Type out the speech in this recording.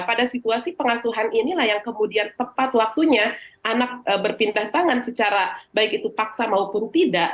pada situasi pengasuhan inilah yang kemudian tepat waktunya anak berpindah tangan secara baik itu paksa maupun tidak